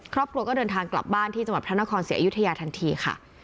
ครอบครัวก็เดินทางกลับบ้านที่จังหวัดพระนครศรีอยุธยาทันทีค่ะ